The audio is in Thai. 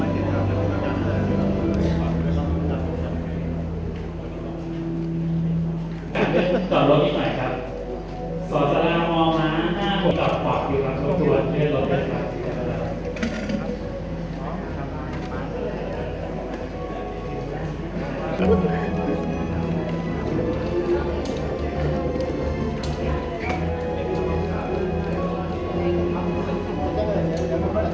ดูกันแล้วนะครับ